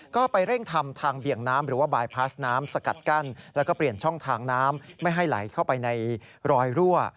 ก็ไปเร่งทำทางเบี่ยงน้ำหรือว่าบายพาสน้ำสกัดกั้นแล้วก็เปลี่ยนช่องทางน้ำไม่ให้ไหลเข้าไปในรอยรั่ว